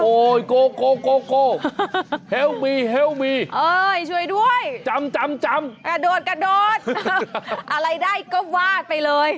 โอ้โหโก้ช่วยด้วยจำกระโดดอะไรได้ก็วาดไปเลย